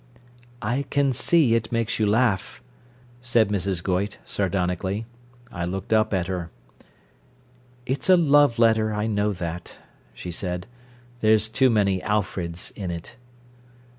"I can see it makes you laugh," said Mrs. Goyte, sardonically. I looked up at her. "It's a love letter, I know that," she said. "There's too many 'Alfreds' in it."